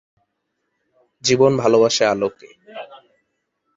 জীবন ভালোবাসে আলোকে।